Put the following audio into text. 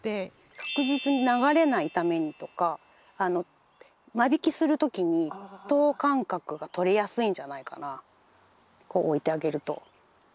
確実に流れないためにとか間引きする時に等間隔がとりやすいんじゃないかなこう置いてあげると。